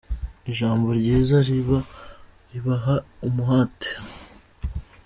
ijambo ryiza ribaha umuhate.